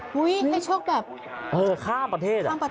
โอ้ยให้โชคแบบข้ามประเทศ